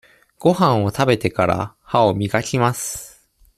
ごはんを食べてから、歯をみがきます。